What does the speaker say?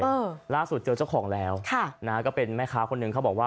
เออล่าสุดเจอเจ้าของแล้วค่ะนะฮะก็เป็นแม่ค้าคนหนึ่งเขาบอกว่า